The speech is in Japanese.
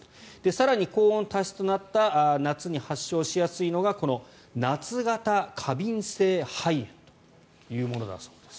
更に、高温多湿となった夏に発症しやすいのがこの夏型過敏性肺炎というものだそうです。